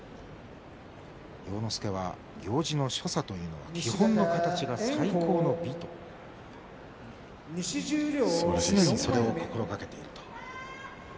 要之助は行司の所作というのは基本の形が最高の美とすばらしいですね。